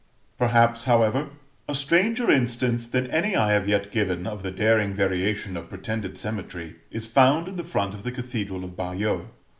Perhaps, however, a stranger instance than any I have yet given, of the daring variation of pretended symmetry, is found in the front of the Cathedral of Bayeux.